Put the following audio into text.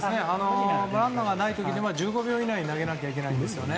ランナーがいない時に１５秒以内に投げなきゃいけないんですよね。